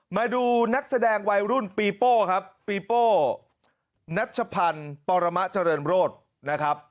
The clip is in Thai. มาดูนักแสดงวัยรุ่นปีโป้ครับปีโป้นัชพันธ์ปรมะเจริญโรธนะครับ